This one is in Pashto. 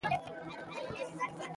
هغه دواړه لاسونه پر تندي ایښي و.